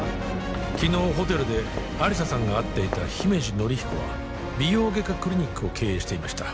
昨日ホテルで亜理紗さんが会っていた姫路紀彦は美容外科クリニックを経営していました